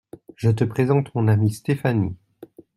Je te présente mon amie Stéphanie.